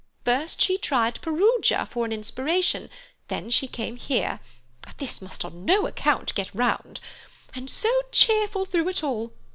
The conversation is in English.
First she tried Perugia for an inspiration, then she came here—this must on no account get round. And so cheerful through it all!